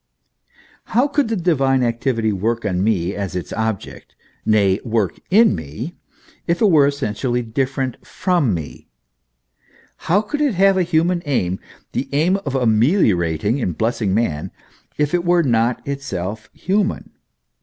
How could the divine activity work on me as its object, nay, work in me, if it were essentially different from me ; how could it have a human aim, the aim of ameliorating and blessing man, if it were not itself human